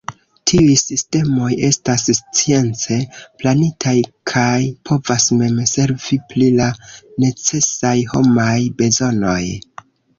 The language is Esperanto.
Tiuj sistemoj estas science planitaj kaj povas mem servi pri la necesaj homaj bezonoj.